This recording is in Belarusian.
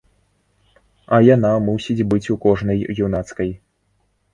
А яна мусіць быць у кожнай юнацкай.